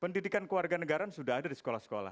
pendidikan keluarga negara sudah ada di sekolah sekolah